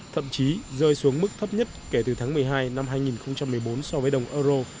thậm chí rơi xuống mức thấp nhất kể từ tháng một mươi hai năm hai nghìn một mươi bốn so với đồng euro